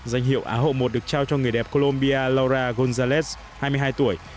danh hiệu á hậu một được trao cho người đẹp colombia laura gonzalet hai mươi hai tuổi